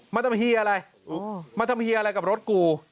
มาทำเฮียอะไรมาทำเฮียอะไรกับรถกู